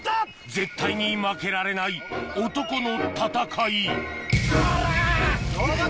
絶対に負けられない男の戦いおりゃ